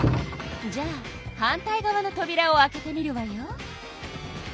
じゃあ反対側のとびらを開けてみるわよ。